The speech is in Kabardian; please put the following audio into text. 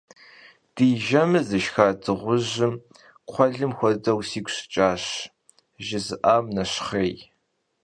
«Di jjemır zışşxa dığujım kxhuelım xuedeu sigu şıç'aş» jjızı'am nexhêy.